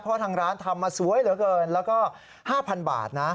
เพราะทางร้านทำมาสวยเหลือเกินแล้วก็๕๐๐บาทนะ